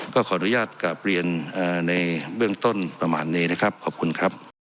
ขออนุญาตกลับเรียนในเบื้องต้นประมาณนี้นะครับขอบคุณครับ